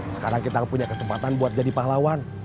sekarang kita punya kesempatan buat jadi pahlawan